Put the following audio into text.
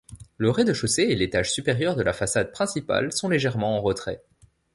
Le rez-de-chaussée et l'étage supérieur de la façade principale sont légèrement en retrait.